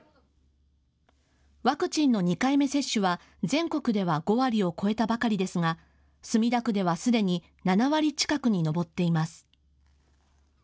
ワクチンの２回目接種は全国では５割を超えたばかりですが墨田区ではすでに７割近くに上っています。